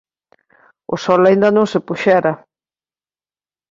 O sol aínda non se puxera.